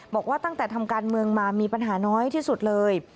บอกว่าตั้งแต่ทำการเมืองมามีปัญหาน้อยที่สุดเลย